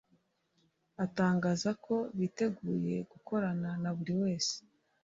atangaza ko biteguye gukorana na buri wese